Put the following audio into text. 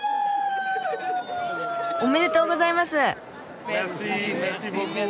おめでとうございます。